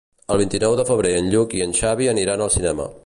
El vint-i-nou de febrer en Lluc i en Xavi aniran al cinema.